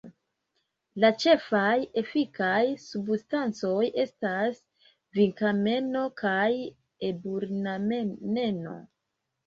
La ĉefaj efikaj substancoj estas vinkameno kaj eburnameneno.